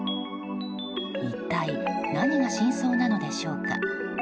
一体何が真相なのでしょうか。